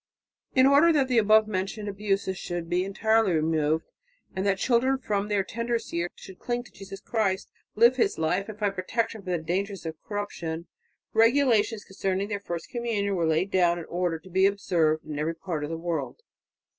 In order that the above mentioned abuses should be entirely removed and that "children from their tenderest years should cling to Jesus Christ, live His life, and find protection from the dangers of corruption", regulations concerning their first communion were laid down and ordered to be observed in every part of the world.